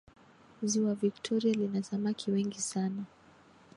ziwa vikitoria lina samaki wengi sana